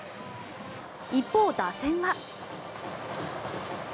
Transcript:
一方、打線は。